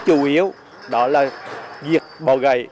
chủ yếu đó là diệt bỏ gãi